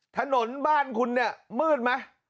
ถนนบ้านคุณเนี่ยมืดไหม